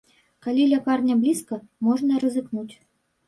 Калі лякарня блізка, можна рызыкнуць.